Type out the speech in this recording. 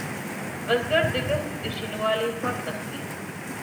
بزګر د کښت د شین والي خوند اخلي